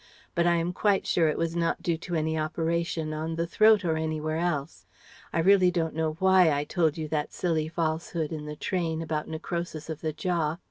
But I am quite sure it was not due to any operation, on the throat or anywhere else. I really don't know why I told you that silly falsehood in the train about necrosis of the jaw.